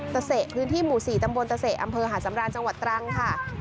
ตะเสพื้นที่หมู่๔ตำบลตะเศษอำเภอหาดสำราญจังหวัดตรังค่ะ